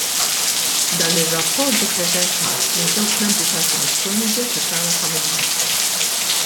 Dan ir-rapport ġie ppreżentat minn żewġ membri tal-Kummissjoni Djoċesana Familja.